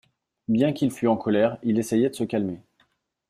Bien qu’il fût en colère, il essayait de se calmer.